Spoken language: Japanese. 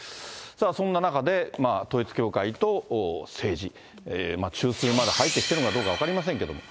さあ、そんな中、統一教会と政治、中枢まで入ってきているのかどうか分かりませんけども。